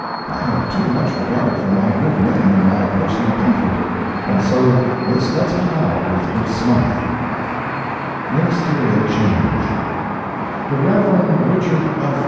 I have too much regard for my good name and my personal comfort, and so this lets me out with Fitz Smythe. MINISTERIAL CHANGE The Rev. Richard F.